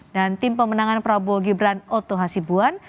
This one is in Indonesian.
dan tim pemenangan prabowo gibran otto hasibuan